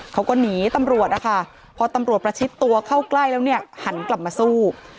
เขาก็หนีตำรวจนะคะพอตำรวจประชิดตัวเข้าใกล้แล้วเนี่ยหันกลับมาสู้